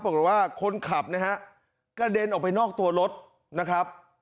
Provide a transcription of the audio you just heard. ปรากฏว่าคนขับนะฮะกระเด็นออกไปนอกตัวรถนะครับ